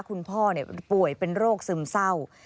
คุณพ่อป่วยเป็นโรคซึมเศร้า